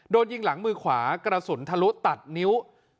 โดนยิงหลังมือขวากระสุนทะลุตัดนิ้ว